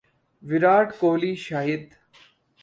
Virat Kohli Shahid